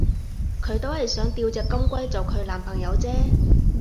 佢都係想吊隻金龜做佢男朋友啫